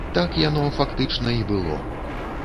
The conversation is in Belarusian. Так яно, фактычна, і было.